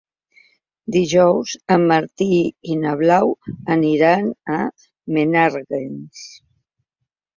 Dijous en Martí i na Blau aniran a Menàrguens.